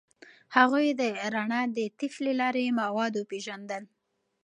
هغوی د رڼا د طیف له لارې مواد وپیژندل.